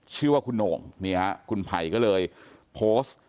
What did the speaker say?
ชื่อว่าคุณโหน่งคุณไผ่ก็เลยโพสต์